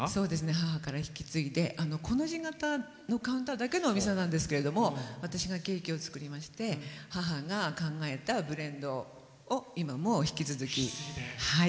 母から引き継いでコの字型のカウンターだけのお店なんですけど私がケーキを作り母が考えました、ブレンドを今も引き続き。